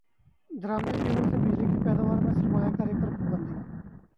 درامدی fuel سے بجلی کی پیداوار میں سرمایہ کاری پر پابندی